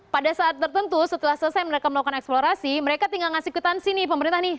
pada saat tertentu setelah selesai mereka melakukan eksplorasi mereka tinggal ngasih ke tansi nih pemerintah nih